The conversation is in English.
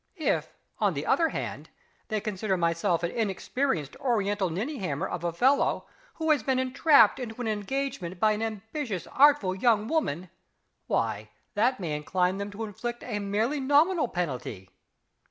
If, on the other hand, they consider myself an inexperienced Oriental ninnyhammer of a fellow, who has been entrapped into an engagement by an ambitious, artful young woman why, that may incline them to inflict a merely nominal penalty."